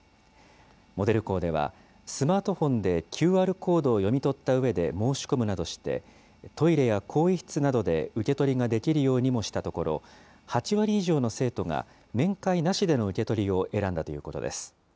モデル校では、スマートフォンでＱＲコードを読み取ったうえで申し込むなどして、トイレや更衣室などでも受け取りができるようにもしたところ、８割以上の生徒が面会なしでの受け取りを選んだということです。